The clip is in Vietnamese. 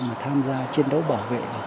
mà tham gia chiến đấu bảo vệ